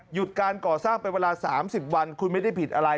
การก่อสร้างเป็นเวลา๓๐วันคุณไม่ได้ผิดอะไร